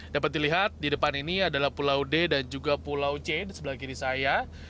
dapat dilihat di depan ini adalah pulau d dan juga pulau c di sebelah kiri saya